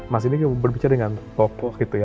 mas ini berbicara dengan tokoh gitu ya